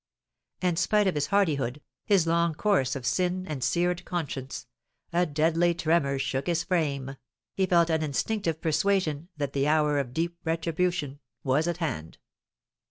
And spite of his hardihood, his long course of sin and seared conscience, a deadly tremor shook his frame, he felt an instinctive persuasion that the hour of deep retribution was at hand.